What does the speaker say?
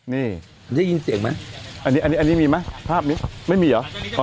นี่นี่ยินเสียงไหมอันนี้อันนี้อันนี้มีไหมภาพนี้ไม่มีเหรอ